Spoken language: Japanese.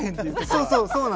そうそう。